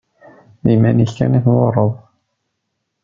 D iman-ik kan i tḍurreḍ.